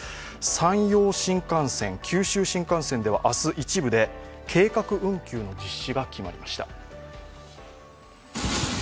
山陽新幹線、九州新幹線では明日、一部で計画運休の実施が決まりました。